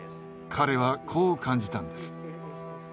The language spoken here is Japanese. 彼はこう感じたんです。